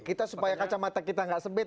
kita supaya kacamata kita nggak sempit